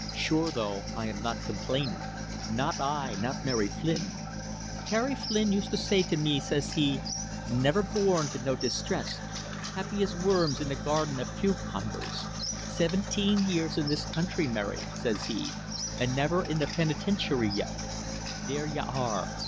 Shure, though, I am not complainin'. Not I not Mary Flynn. Teddy Flynn used to say to me, says he: 'Niver born to know distress! Happy as worms in a garden av cucumbers. Seventeen years in this country, Mary,' says he, 'an' nivir in the pinitintiary yet.' There y'are.